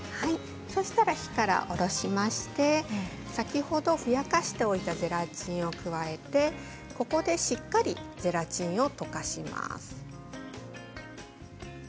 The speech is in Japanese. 火から下ろしまして先ほどふやかしておいたゼラチンを加えてここでしっかりとゼラチンを溶かします。